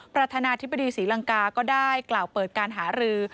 ประธานาธิบดีศรีลังกาก็ได้กล่าวเปิดการหารือ